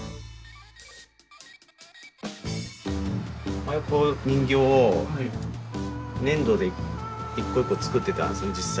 前この人形を粘土で一個一個作ってたんですよね実際に。